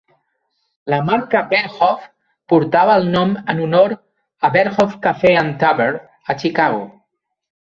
La marca Berghoff portava el nom en honor a Berghoff Cafe and Tavern a Chicago.